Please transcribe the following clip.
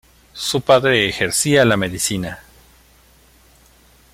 Su padre ejercía la medicina.